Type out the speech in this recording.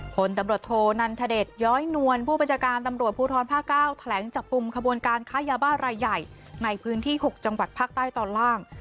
ผลตำรวจโทนันทเดชย้อยนวลผู้บัญชาการตำรวจภูทรภาค๙แถลงจับกลุ่มขบวนการค้ายาบ้ารายใหญ่ในพื้นที่๖จังหวัดภาคใต้ตอนล่าง